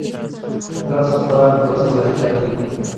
دا څه خوراک ده او څه ذائقه لري